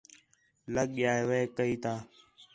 لڳ ڳِیا وے کَئی تا